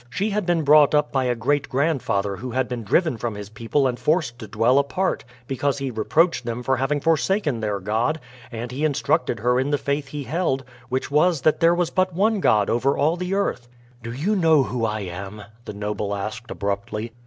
She had been brought up by a great grandfather who had been driven from his people and forced to dwell apart because he reproached them for having forsaken their God, and he instructed her in the faith he held, which was that there was but one God over all the earth." "Do you know who I am?" the noble asked abruptly.